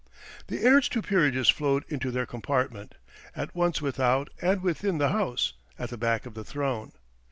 The heirs to peerages flowed into their compartment, at once without and within the House, at the back of the throne.